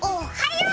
おっはよう！